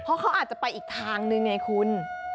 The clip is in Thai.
เพราะเขาอาจจะไปอีกทางนึงไงคุณ